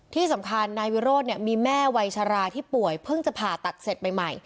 ที่สำคัญนายวิโรธมีแม่วัยชราที่ป่วยเพิ่งจะผ่าตัดเสร็จใหม่